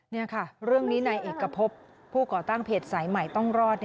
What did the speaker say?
นี่ค่ะเรื่องนี้นายเอกพบผู้ก่อตั้งเพจสายใหม่ต้องรอด